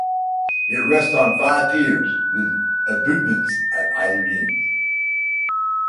It rests on five piers, with abutments at either end.